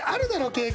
経験。